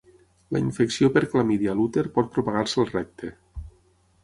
La infecció per clamídia a l'úter pot propagar-se al recte.